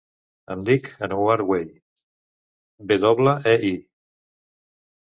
Em dic Anouar Wei: ve doble, e, i.